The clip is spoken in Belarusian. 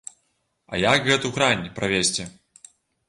А як гэту грань правесці?